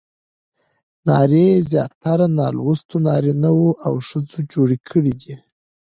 نارې زیاتره نالوستو نارینه وو او ښځو جوړې کړې دي.